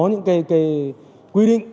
những cái quy định